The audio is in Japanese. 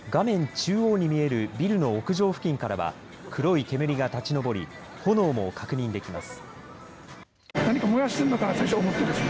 中央に見えるビルの屋上付近からは黒い煙が立ち上り炎も確認できます。